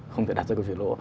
không thể đặt ra câu chuyện lỗ